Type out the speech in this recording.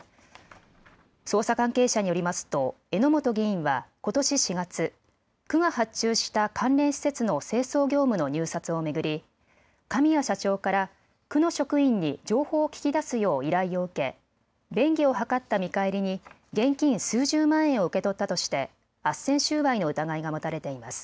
捜査関係者によりますと榎本議員はことし４月、区が発注した関連施設の清掃業務の入札を巡り神谷社長から区の職員に情報を聞き出すよう依頼を受け便宜を図った見返りに現金数十万円を受け取ったとしてあっせん収賄の疑いが持たれています。